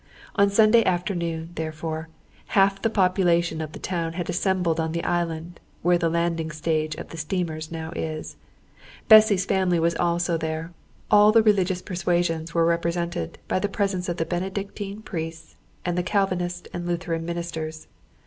On Sunday afternoon, therefore, half the population of the town had assembled on the island, where the landing stage of the steamers now is. Bessy's family was also there. All the religious persuasions were represented by the presence of the Benedictine priests and the Calvinist and Lutheran ministers.